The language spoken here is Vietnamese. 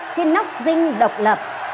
trên nóc dinh độc lập